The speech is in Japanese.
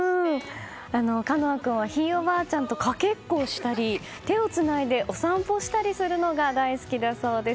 華空君はひいおばあちゃんとかけっこをしたり手をつないでお散歩したりするのが大好きだそうです。